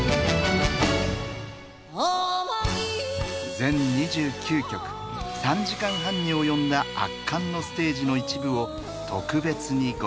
全２９曲３時間半に及んだ圧巻のステージの一部を特別にご紹介。